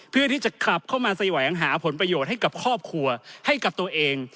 เพื่อที่จะกลับเข้ามาแสวงหาผลประโยชน์ให้กับครอบครัวให้กับตัวเอง